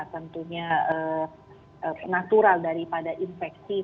tetapi kita tahu bahwa